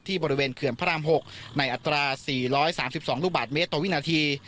บริเวณเขื่อนพระราม๖ในอัตรา๔๓๒ลูกบาทเมตรต่อวินาที